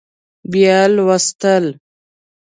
بیا لوستل